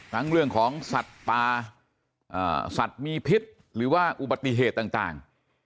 เรื่องของสัตว์ป่าสัตว์มีพิษหรือว่าอุบัติเหตุต่าง